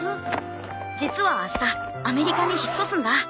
実は明日アメリカに引っ越すんだ。